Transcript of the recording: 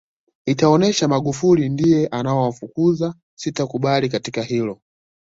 itaonesha Magufuli ndiye anawafukuza sitokubali katika hilo